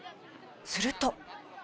すると。